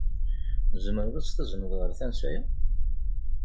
Tzemreḍ ad tt-tazneḍ ɣer tansa-a?